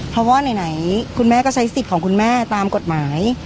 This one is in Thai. เพราะว่าไหนคุณแม่ก็ใช้สิทธิ์ของคุณแม่ตามกฎหมาย